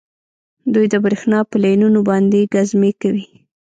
دوی د بریښنا په لینونو باندې ګزمې کوي